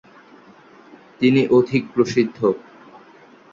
তিনি অধিক প্রসিদ্ধ।